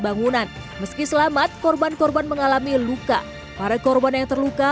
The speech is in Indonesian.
bangunan meski selamat korban korban mengalami luka para korban yang terluka